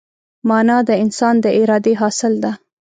مانا د انسان د ارادې حاصل ده.